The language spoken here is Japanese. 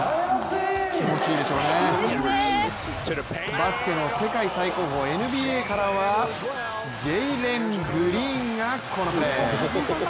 バスケの世界最高峰ＮＢＡからはジェイレン・グリーンがこのプレー！